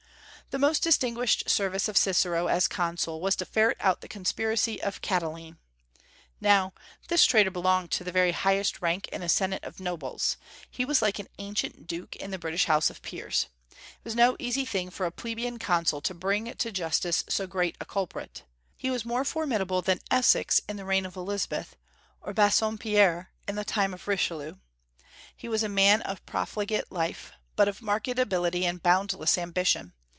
The most distinguished service of Cicero as consul was to ferret out the conspiracy of Catiline. Now, this traitor belonged to the very highest rank in a Senate of nobles; he was like an ancient duke in the British House of Peers. It was no easy thing for a plebeian consul to bring to justice so great a culprit. He was more formidable than Essex in the reign of Elizabeth, or Bassompierre in the time of Richelieu. He was a man of profligate life, but of marked ability and boundless ambition.